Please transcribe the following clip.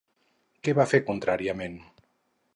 Què va fer contràriament?